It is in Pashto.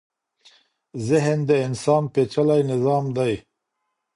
ذهن د انسان پېچلی نظام دی.